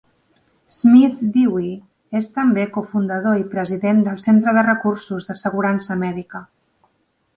Smith-Dewey és també cofundador i president del Centre de recursos d'assegurança mèdica.